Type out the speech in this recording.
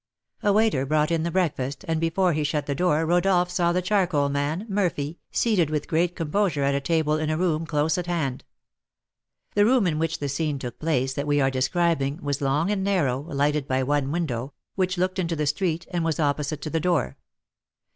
A waiter brought in the breakfast, and before he shut the door Rodolph saw the charcoal man, Murphy, seated with great composure at a table in a room close at hand. The room in which the scene took place that we are describing was long and narrow, lighted by one window, which looked into the street, and was opposite to the door.